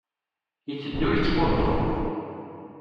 Iteddu yettqudur.